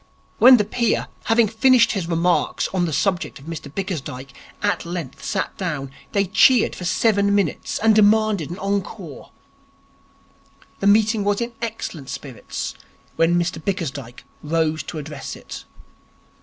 When the peer, having finished his remarks on the subject of Mr Bickersdyke, at length sat down, they cheered for seven minutes, and demanded an encore. The meeting was in excellent spirits when Mr Bickersdyke rose to address it.